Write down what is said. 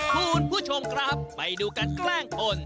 คุณผู้ชมครับไปดูการแกล้งคน